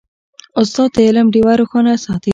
استاد د علم ډیوه روښانه ساتي.